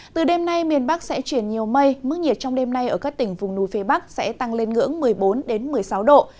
từ đêm nay miền bắc sẽ chuyển nhiều mây mức nhiệt trong đêm nay ở các tỉnh vùng núi phía bắc sẽ tăng lên ngưỡng một mươi bốn một mươi sáu độ